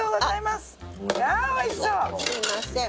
すみません。